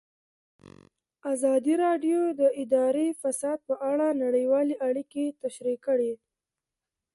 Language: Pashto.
ازادي راډیو د اداري فساد په اړه نړیوالې اړیکې تشریح کړي.